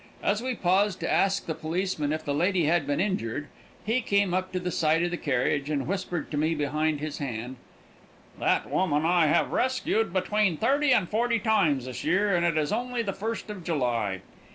As we paused to ask the policeman if the lady had been injured, he came up to the side of the carriage and whispered to me behind his hand: "That woman I have rescued between thirty and forty times this year, and it is only the first of July.